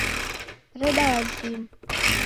Reda wazima